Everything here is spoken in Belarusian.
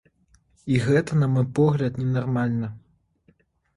І гэта, на мой погляд, ненармальна.